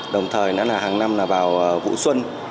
đồng thời hàng năm vào vụ xuân